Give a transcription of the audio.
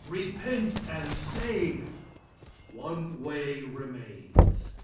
repent and save. "One way remains!